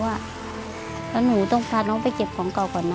แล้วหนูต้องพาน้องไปเก็บของเก่าก่อนนะ